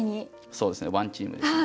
そうですねワンチームですね。